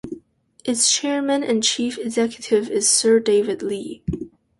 Its chairman and chief executive is Sir David Li.